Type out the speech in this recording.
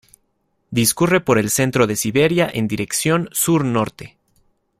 Discurre por el centro de Siberia en dirección Sur-Norte.